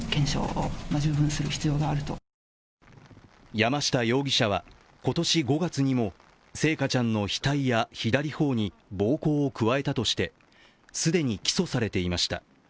山下容疑者は今年５月にも星華ちゃんの額や左頬に暴行を加えたとして、既に起訴されていました。